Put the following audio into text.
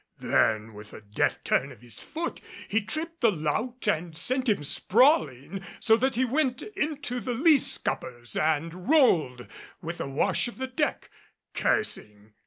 Then with a deft turn of his foot he tripped the lout and sent him sprawling, so that he went into the lee scuppers and rolled with the wash of the deck, cursing.